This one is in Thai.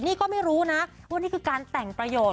นี่ก็ไม่รู้นะว่านี่คือการแต่งประโยชน